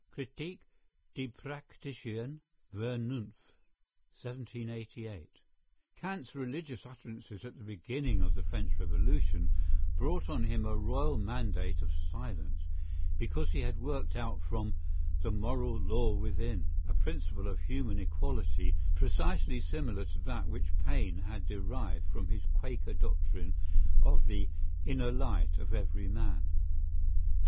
(Kritik derpraktischen Vernunfe, 1788). Kant's religious utterances at the beginning of the French Revolution brought on him a royal mandate of silence, because he had worked out from "the moral law within" a principle of human equality precisely similar to that which Paine had derived from his Quaker doctrine of the "inner light" of every man.